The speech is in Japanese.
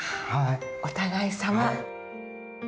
お互いさま。